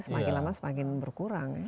semakin lama semakin berkurang